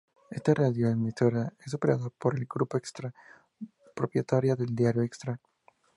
Esta radioemisora es operada por el Grupo Extra, propietaria del Diario Extra